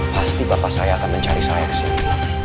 pasti bapak saya akan mencari saya kesini